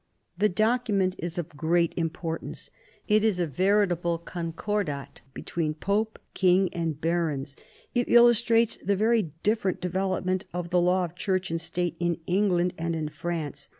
. The document is of great importance. It is a veritable concordat between Pope, king, and barons. It illustrates the very different development of the law of Church and State in England and in France.